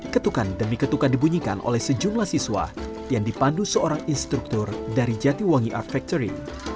ketukan demi ketukan dibunyikan oleh sejumlah siswa yang dipandu seorang instruktur dari jatiwangi art factory